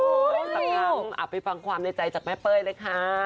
โอ้โฮสังหลังอภิพันธ์ความในใจจากแม่เป๋ยเลยค่ะ